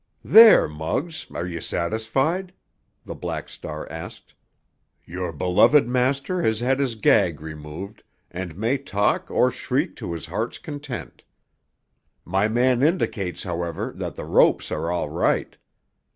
"There, Muggs, are you satisfied?" the Black Star asked. "Your beloved master has had his gag removed, and may talk or shriek to his heart's content. My man indicates, however, that the ropes are all right.